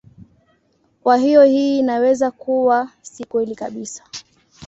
Kwa hiyo hii inaweza kuwa si kweli kabisa.